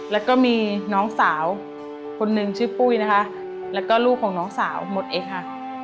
แล้วก็มีน้องสาวคนนึงชื่อปุ้ยนะคะแล้วก็ลูกของน้องสาวหมดเองค่ะ